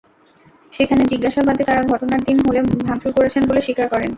সেখানে জিজ্ঞাসাবাদে তাঁরা ঘটনার দিন হলে ভাঙচুর করেছেন বলে স্বীকার করেন।